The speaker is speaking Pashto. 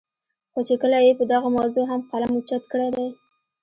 خو چې کله ئې پۀ دغه موضوع هم قلم اوچت کړے دے